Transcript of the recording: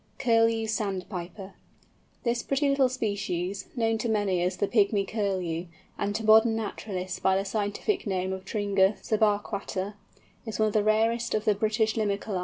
CURLEW SANDPIPER. This pretty little species, known to many as the "Pygmy Curlew," and to modern naturalists by the scientific name of Tringa subarquata, is one of the rarest of the British Limicolæ.